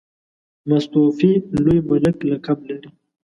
مستوفي لوی ملک لقب لري.